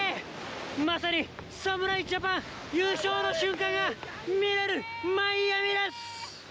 まさに侍ジャパン優勝の瞬間が、見られるマイアミです。